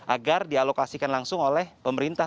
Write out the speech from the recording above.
agar dialokasikan langsung oleh pemerintah